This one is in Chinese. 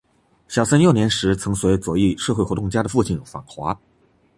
小森幼年时曾随左翼社会活动家的父亲访华。